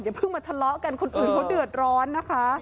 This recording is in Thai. เพิ่งมาทะเลาะกันคนอื่นเขาเดือดร้อนนะคะ